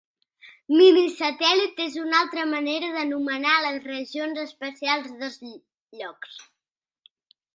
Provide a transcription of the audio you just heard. Minisatèl·lit és una altra manera d'anomenar les regions especials dels llocs.